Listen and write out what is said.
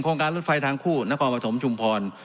๑โครงการรถไฟทางคู่นักกวงบรรษถมชุมพร